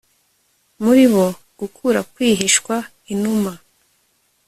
Muri bo gukura kwihishwa Inuma